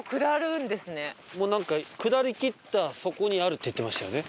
もうなんか下りきったそこにあるって言ってましたよね。